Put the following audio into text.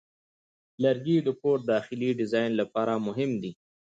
لرګی د کور داخلي ډیزاین لپاره مهم دی.